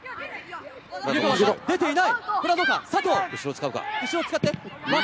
出ていない。